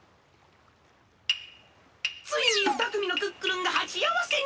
ついにふたくみのクックルンがはちあわせに！